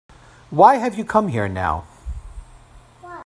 Why have you come here now?